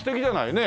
ねえ。